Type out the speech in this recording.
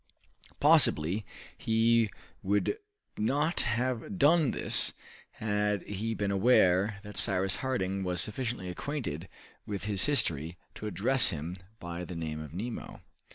Possibly he would not have done this had he been aware that Cyrus Harding was sufficiently acquainted with his history to address him by the name of Nemo.